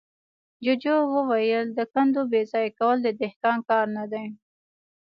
جوجو وويل: د کندو بېځايه کول د دهقان کار نه دی.